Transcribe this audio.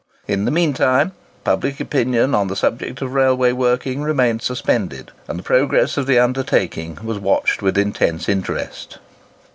In the mean time public opinion on the subject of railway working remained suspended, and the progress of the undertaking was watched with intense interest.